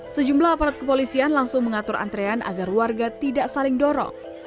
sejumlah aparat kepolisian langsung mengatur antrean agar warga tidak saling dorong